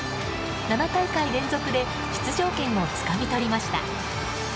７大会連続で出場権をつかみ取りました。